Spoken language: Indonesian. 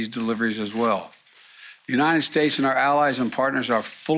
dan lebih banyak akan datang